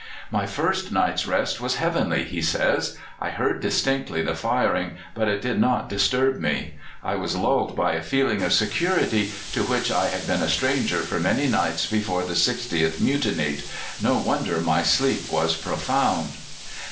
"My first night's rest was heavenly," he says. "I heard distinctly the firing, but it did not disturb me. I was lulled by a feeling of security to which I had been a stranger for many nights before the 60th mutinied. No wonder my sleep was profound."